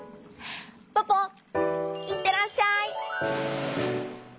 ポポいってらっしゃい！